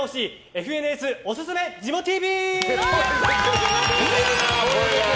ＦＮＳおすすめジモＴＶ！